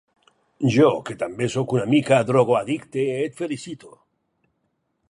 Jo, que també sóc una mica drogoaddicte, et felicito.